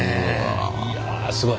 いやすごい！